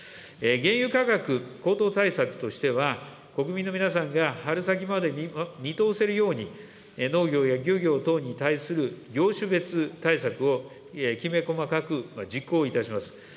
原油価格高騰対策としては、国民の皆さんが春先まで見通せるように、農業や漁業等に対する業種別対策を、きめ細かく実行いたします。